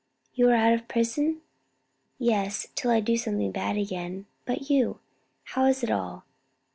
"You are out of prison?" "Yes, till I do something bad again. But you? how is it all?"